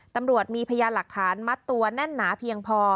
ตำรวจมีพยานหลักฐานมัดตัวแน่นหนาเพียงพอ